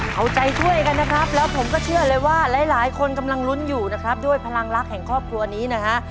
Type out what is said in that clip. เอาใจช่วยกันนะครับแล้วผมก็เชื่อเลยว่าหลายคนกำลังลุ้นอยู่นะครับด้วยพลังรักแห่งครอบครัวนี้นะฮะ